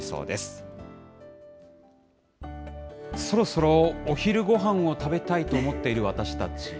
そろそろお昼ご飯を食べたいと思っている私たち。